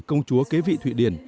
công chúa kế vị thụy điển